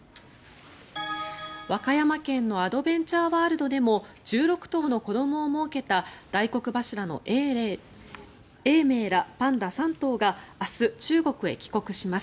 和歌山県のアドベンチャーワールドでも１６頭の子どもをもうけた大黒柱の永明らパンダ３頭が明日、中国へ帰国します。